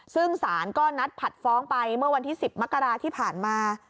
ซึ่งสารก็นัดผัดฟ้องไปเมื่อวันที่๑๐มกราที่ผ่านมา